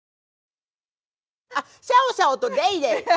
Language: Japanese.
あっシャオシャオとレイレイ。